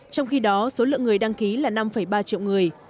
trong khi đó số lượng người đăng ký là năm ba triệu người